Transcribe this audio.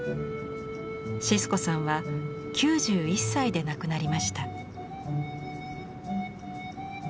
シスコさんは９１歳で亡くなりました。